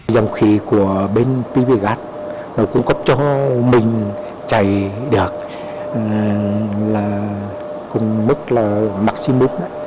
dòng khí của bên bbgat cung cấp cho mình chạy được cùng mức là maximum